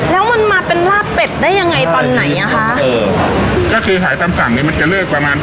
แล้วมันมาเป็นลาบเป็ดได้ยังไงตอนไหนอ่ะคะเออก็คือขายตามสั่งนี้มันจะเลิกประมาณ